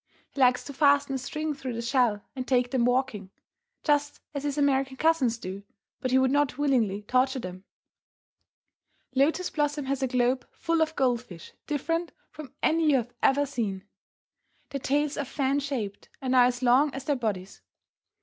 He likes to fasten a string through the shell and take them walking, just as his American cousins do, but he would not willingly torture them. Lotus Blossom has a globe full of gold fish different from any you have ever seen. Their tails are fan shaped, and are as long as their bodies.